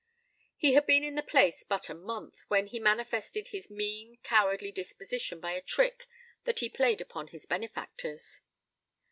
He had been in the place but a month, when he manifested his mean, cowardly disposition by a trick that he played upon his benefactors.